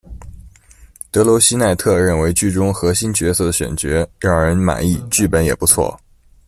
的罗茜·奈特认为剧中核心角色的选角让人满意，剧本也不错。